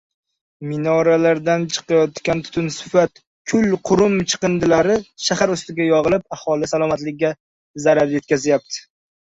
Minoralardan chiqayotgan tutunsifat kul-qurum chiqindilari shahar ustiga yogʻilib, aholi salomatligiga zarar yetkazyapti.